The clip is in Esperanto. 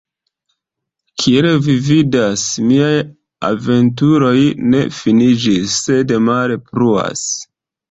Kiel vi vidas, miaj aventuroj ne finiĝis, sed male pluas.